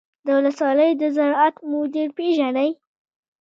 د ولسوالۍ د زراعت مدیر پیژنئ؟